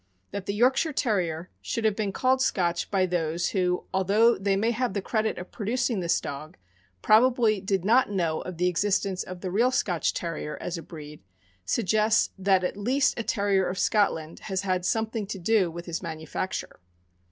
... That the Yorkshire Terrier should have been called Scotch by those who, although they may have the credit of producing this dog, probably did not know of the existence of the real Scotch Terrier as a breed, suggests that at least a Terrier of Scotland has had something to do with his manufacture.